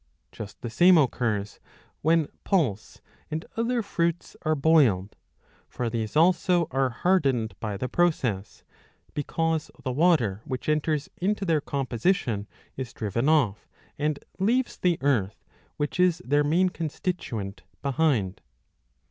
^''^ Just the same occurs when pulse and other fruits are boiled. For these also are hardened by the process, because the water which enters into their composition is driven off" and leaves the earth, which is their main constituent, behind.